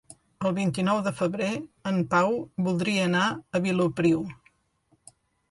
El vint-i-nou de febrer en Pau voldria anar a Vilopriu.